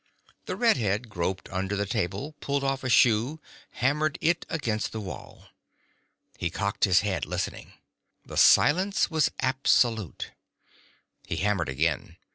The red head groped under the table, pulled off a shoe, hammered it against the wall. He cocked his head, listening. The silence was absolute. He hammered again.